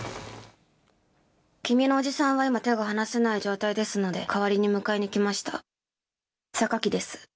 君のおじさんは今、手が離せない状態ですので、代わりに迎えに来ました。